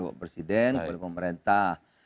bapak presiden kepada pemerintah